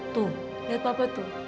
tuh lihat papa tuh